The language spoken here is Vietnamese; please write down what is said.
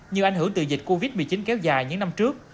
như ảnh hưởng từ dịch covid một mươi chín kéo dài những năm trước